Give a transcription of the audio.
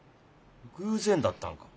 偶然だったんか？